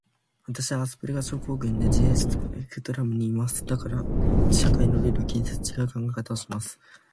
私はアスペルガー症候群で、自閉症スペクトラムにいます。だから社会のルールを気にせず、ちがう考え方をします。